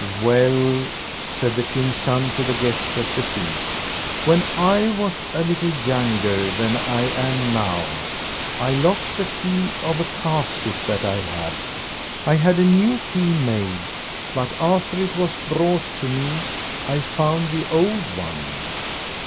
"Well," said the king's son to the guests at the feast, "when I was a little younger than I am now, I lost the key of a casket that I had. I had a new key made, but after it was brought to me I found the old one.